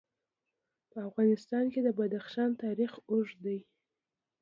په افغانستان کې د بدخشان تاریخ اوږد دی.